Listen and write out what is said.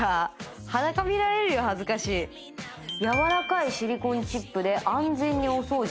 「柔らかいシリコンチップで安全にお掃除」